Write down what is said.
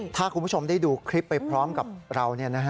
ถ้าคุณผู้ชมได้ดูคลิปไปพร้อมกับเรา